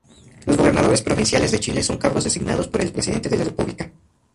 Los gobernadores provinciales de Chile son cargos designados por el presidente de la República.